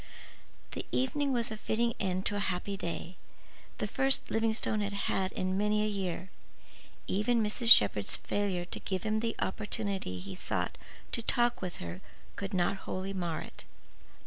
The evening was a fitting ending to a happy day—the first Livingstone had had in many a year. Even Mrs. Shepherd's failure to give him the opportunity he sought to talk with her could not wholly mar it.